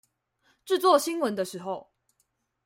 製作新聞的時候